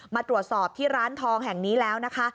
มาตรวจสอบที่ร้านทองแห่งนี้แล้วนะคะ